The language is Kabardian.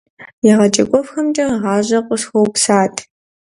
ЕгъэджакӀуэфӀхэмкӀэ гъащӀэр къысхуэупсат.